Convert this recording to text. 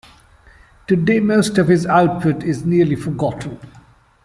Today, most of his output is nearly forgotten.